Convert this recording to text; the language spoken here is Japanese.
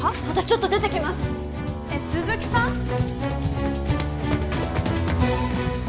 私ちょっと出てきますえっ鈴木さん？